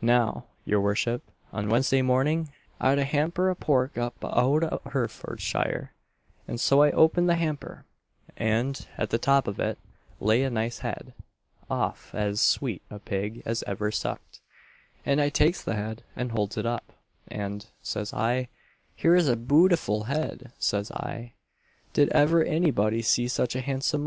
Now, your worship, on Wednesday morning I'd a hamper o' pork up out o' Hertfordshire; and so I opened the hamper; and, at the top on it, lay a nice head; off of as sweet a pig as ever suck'd; and I takes the head, and holds it up; and, says I, 'Here's a bootiful head!' says I. 'Did ever any body see such a handsome un?'